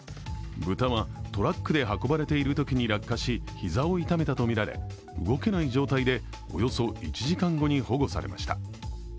豚はトラックで運ばれているときに落下し、膝を傷めたとみられ動けない状態でおよそ１時間後に保護されました。